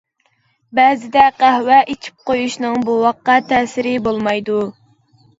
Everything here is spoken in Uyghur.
بەزىدە قەھۋە ئىچىپ قويۇشنىڭ بوۋاققا تەسىرى بولمايدۇ.